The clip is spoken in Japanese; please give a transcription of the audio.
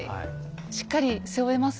しっかり背負えます？